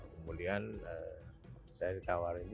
kemudian saya ditawarin